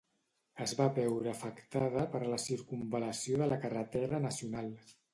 Es va veure afectada per la circumval·lació de la carretera nacional.